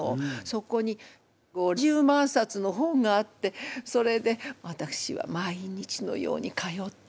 そこに５０万冊の本があってそれでわたくしは毎日のように通って勉強したわ。